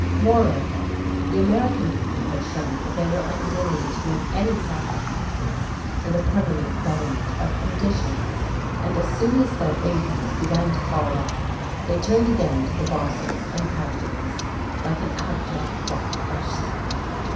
Moreover, the American people had shown that they were unwilling to make any sacrifices for the permanent betterment of conditions, and as soon as their incomes began to fall off they turned again to the bosses and capitalists like an abject flock of sheep.